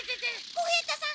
小平太さん